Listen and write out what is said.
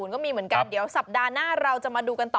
ก็มีเหมือนกันเดี๋ยวสัปดาห์หน้าเราจะมาดูกันต่อ